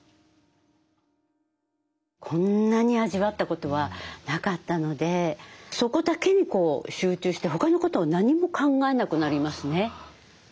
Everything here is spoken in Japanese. こんなに味わったことはなかったのでそこだけにこう集中して他のことを何も考えなくなりますね。